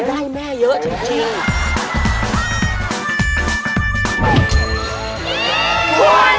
ได้แม่เยอะจริง